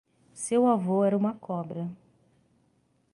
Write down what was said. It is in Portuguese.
Seu avô era uma cobra.